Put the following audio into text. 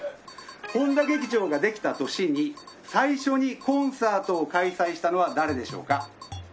本多劇場ができた年に最初にコンサートを開催したのは誰でしょうか？